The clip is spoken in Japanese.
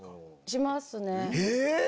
しますね。